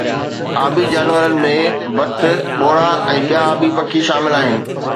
آبي جانورن ۾ بتھ، ٻوڙا ۽ ٻيا آبي پکي شامل آھن